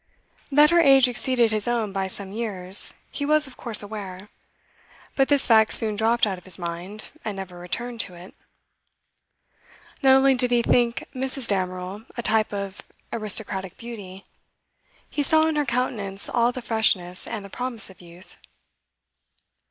That her age exceeded his own by some years he was of course aware, but this fact soon dropped out of his mind, and never returned to it. Not only did he think Mrs. Damerel a type of aristocratic beauty, he saw in her countenance all the freshness and the promise of youth.